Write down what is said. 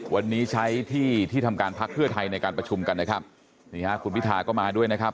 วันนี้ใช้ที่ที่ทำการพักเพื่อไทยในการประชุมกันนะครับนี่ฮะคุณพิธาก็มาด้วยนะครับ